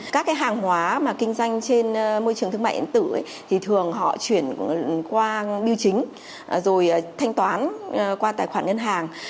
các hàng hóa mà kinh doanh trên môi trường thương mạnh tử thì thường họ chuyển qua biêu chính rồi thanh toán qua tài khoản ngân hàng